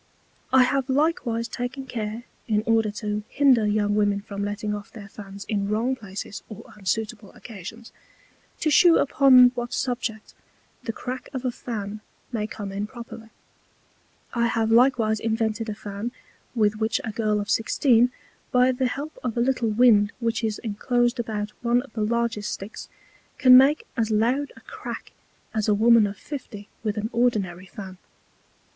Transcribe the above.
I have likewise taken care (in order to hinder young Women from letting off their Fans in wrong Places or unsuitable Occasions) to shew upon what Subject the Crack of a Fan may come in properly: I have likewise invented a Fan, with which a Girl of Sixteen, by the help of a little Wind which is inclosed about one of the largest Sticks, can make as loud a Crack as a Woman of Fifty with an ordinary Fan.